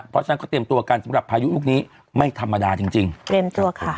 เพราะฉะนั้นก็เตรียมตัวกันสำหรับพายุลูกนี้ไม่ธรรมดาจริงจริงเตรียมตัวค่ะ